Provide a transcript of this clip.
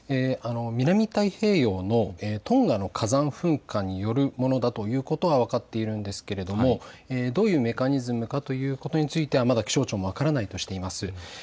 南太平洋のトンガの火山噴火によるものだということは分かっているんですけれども、どういうメカニズムかということについてはまだ気象庁も分からないとしています。